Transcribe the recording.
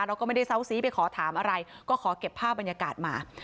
เราก็ไม่ได้เซาซีไปขอถามอะไรก็ขอเก็บภาพบรรยากาศมา